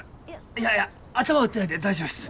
いやいや頭打ってないんで大丈夫です。